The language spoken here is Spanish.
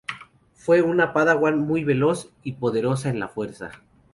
Fue una padawan muy veloz y poderosa en la Fuerza.